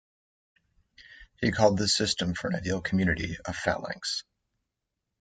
He called this system for an ideal community a "Phalanx".